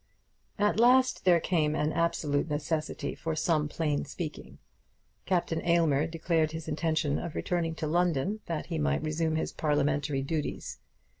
At last there came an absolute necessity for some plain speaking. Captain Aylmer declared his intention of returning to London that he might resume his parliamentary duties.